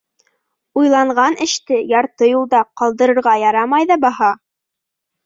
Уйланған эште ярты юлда ҡалдырырға ярамай ҙа баһа.